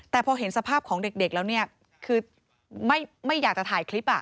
แต่พอเห็นสภาพของเด็กแล้วเนี่ยคือไม่อยากจะถ่ายคลิป